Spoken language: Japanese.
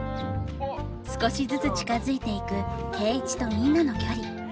少しずつ近づいていく圭一とみんなの距離。